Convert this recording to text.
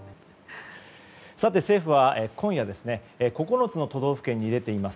政府は今夜９つの都道府県に出ています